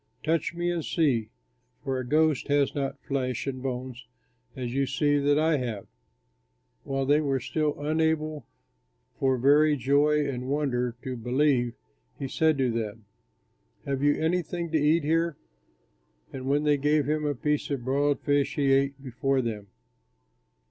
Touch me and see, for a ghost has not flesh and bones as you see that I have." While they were still unable for very joy and wonder to believe, he said to them, "Have you anything to eat here?" And when they gave him a piece of broiled fish, he ate before them.